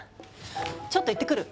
ちょっと行ってくる。